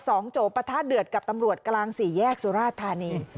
โจปะทะเดือดกับตำรวจกลางสี่แยกสุราชธานี